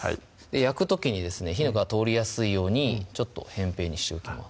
焼く時にですね火が通りやすいようにちょっと偏平にしておきます